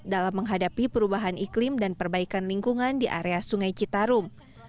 dalam menghadapi perubahan iklim dan perbaikan lingkungan di area sungai citarum